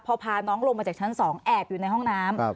พอพาน้องลงมาจากชั้น๒แอบอยู่ในห้องน้ำ